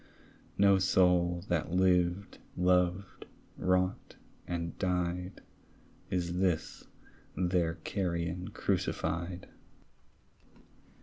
No soul that lived, loved, wrought, and died, Is this their carrion crucified.